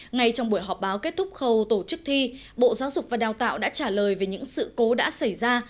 ngay trong buổi họp báo kết thúc khâu tổ chức thi bộ giáo dục và đào tạo đã trả lời về những sự cố đã xảy ra